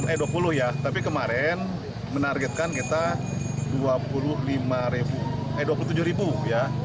eh dua puluh ya tapi kemarin menargetkan kita dua puluh lima eh dua puluh tujuh ya